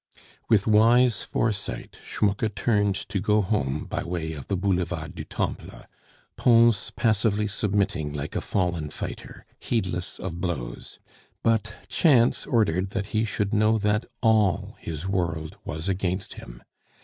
With wise foresight, Schmucke turned to go home by the way of the Boulevard du Temple, Pons passively submitting like a fallen fighter, heedless of blows; but chance ordered that he should know that all his world was against him.